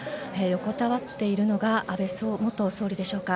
横たわっているのが安倍元総理でしょうか。